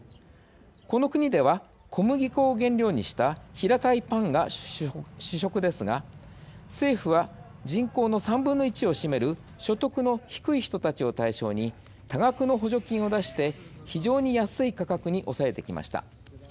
この国では、小麦粉を原料にした平たいパンが主食ですが政府は、人口の３分の１を占める所得の低い人たちを対象に多額の補助金を出して非常に安い価格に抑えてきました。